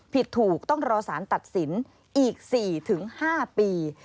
ผิดถูกต้องรอสารตัดสินอีก๔๕ปี